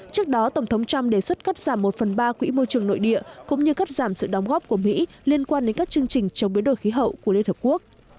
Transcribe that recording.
trước đó tổng thống trump đề xuất cắt giảm một phần ba quỹ môi trường nội địa cũng như cắt giảm sự đóng góp của mỹ liên quan đến các chương trình chống biến đổi khí hậu của liên hợp quốc